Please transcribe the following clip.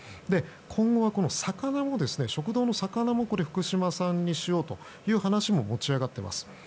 今後は食堂の魚も福島産にしようという話も持ち上がっています。